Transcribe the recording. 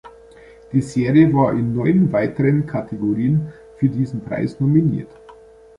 Die Serie war in neun weiteren Kategorien für diesen Preis nominiert.